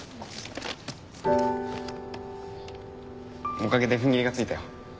おかげで踏ん切りがついたよ。